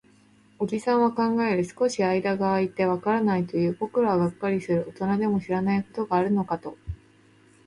おじさんは考える。少し間が空いて、わからないと言う。僕らはがっかりする。大人でも知らないことがあるのかと。